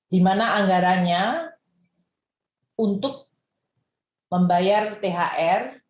dimana anggaranya untuk membayar thr